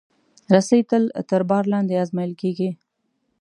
رسۍ تل تر بار لاندې ازمېیل کېږي.